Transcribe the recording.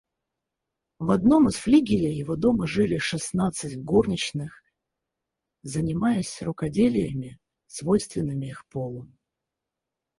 В одном из флигелей его дома жили шестнадцать горничных, занимаясь рукоделиями, свойственными их полу.